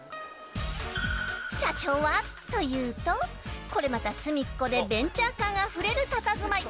社長はというとこれまた隅っこでベンチャー感があふれるたたずまい。